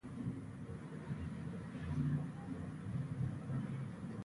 عباسي کورنۍ په لومړنۍ هجري پېړۍ کې سیاست ته راوړانګل.